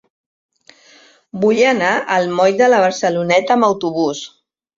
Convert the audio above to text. Vull anar al moll de la Barceloneta amb autobús.